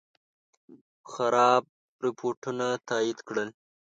خراب رپوټونه تایید کړل.